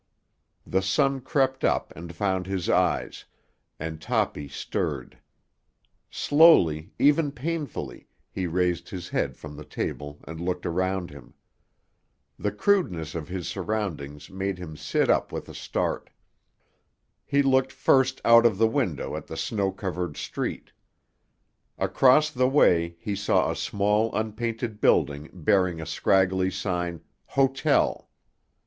The sun crept up and found his eyes, and Toppy stirred. Slowly, even painfully, he raised his head from the table and looked around him. The crudeness of his surroundings made him sit up with a start. He looked first out of the window at the snow covered "street." Across the way he saw a small, unpainted building bearing a scraggly sign, "Hotel."